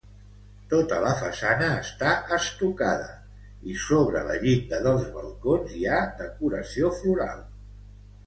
Tota la façana està estucada i sobre la llinda dels balcons hi ha decoració floral.